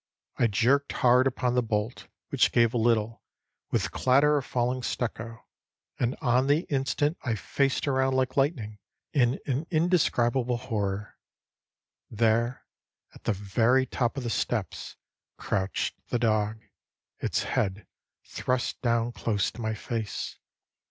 I jerked hard upon the bolt, which gave a little, with clatter of falling stucco; and on the instant I faced around like lightning, in an indescribable horror. There, at the very top of the steps, crouched the dog, its head thrust down close to my face.